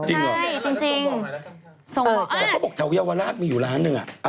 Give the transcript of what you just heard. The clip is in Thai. ใช่จริงส่งบอกอ้าวแต่เขาบอกทะวิววาลากมีอยู่ร้านนึงอ่ะ